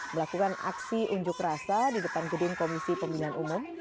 melakukan aksi unjuk rasa di depan gedung komisi pemilihan umum